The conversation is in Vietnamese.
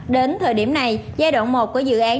đến thời điểm này giai đoạn một của dự án